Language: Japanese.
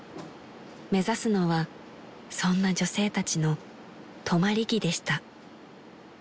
［目指すのはそんな女性たちの止まり木でした］